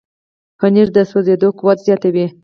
پنېر د سوځېدو قوت زیاتوي.